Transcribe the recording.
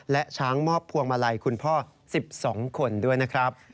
และช้างมอบพวงมาลัยคุณพ่อ๑๒คนด้วยนะครับ